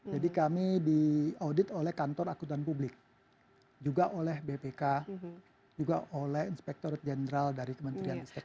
jadi kami di audit oleh kantor akuntan publik juga oleh bpk juga oleh inspektor general dari kementerian institusi